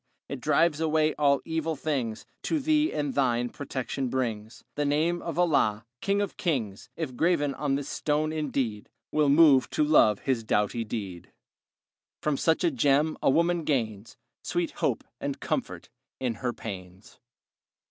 It drives away all evil things; To thee and thine protection brings. The name of Allah, king of kings, If graven on this stone, indeed, Will move to love and doughty deed. From such a gem a woman gains Sweet hope and comfort in her pains.